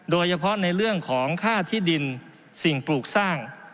โดยเฉพาะในเรื่องของค่าที่ดินสิ่งปลูกสร้าง